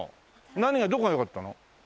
何がどこがよかったの？